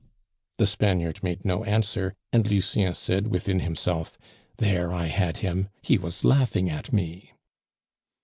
The Spaniard made no answer, and Lucien said within himself, "There I had him; he was laughing at me."